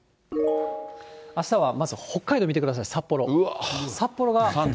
あしたはまず北海道見てください。